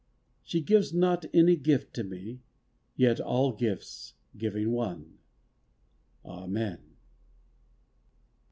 She gives not any gift to me Yet all gifts, giving one.... Amen.